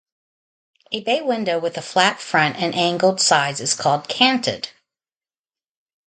A bay window with a flat front and angled sides is called "canted".